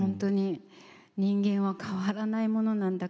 人間は変わらないものなんだ